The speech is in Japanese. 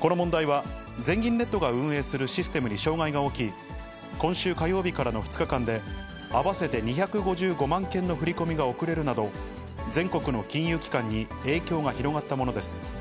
この問題は、全銀ネットが運営するシステムに障害が起き、今週火曜日からの２日間で、合わせて２５５万件の振り込みが遅れるなど、全国の金融機関に影響が広がったものです。